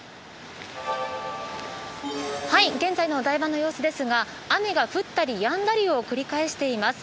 現在のお台場の様子ですが雨が降ったりやんだりを繰り返しています。